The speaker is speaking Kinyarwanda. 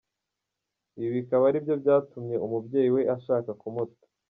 Ibi bikaba ari byo byatumye umubyeyi we ashaka kumuta.